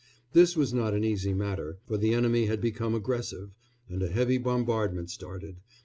This was not an easy matter, for the enemy had become aggressive, and a heavy bombardment started.